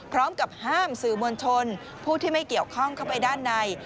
พร้อมกับห้ามสื่อมวลชนผู้ที่ไม่เกี่ยวข้องเข้าไปด้านใน